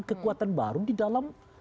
kekuatan baru di dalam